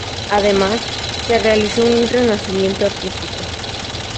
Además, se realizó un renacimiento artístico.